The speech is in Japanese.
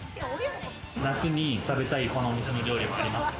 夏に食べたいお店の料理はありますか？